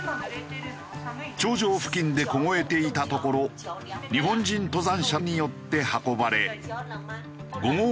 頂上付近で凍えていたところ日本人登山者によって運ばれ５合目の救護所へ。